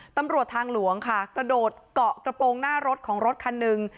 ตำรวจทางหลวงค่ะกระโดดเกาะกระโปรงหน้ารถของรถคันหนึ่ง